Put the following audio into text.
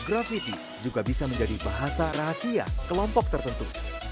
grafiti juga bisa menjadi bahasa rahasia kelompok tertentu